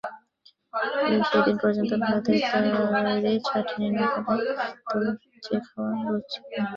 এই সেদিন পর্যন্ত ওর হাতের তৈরি চাটনি না হলে তোর যে খাওয়া রুচত না।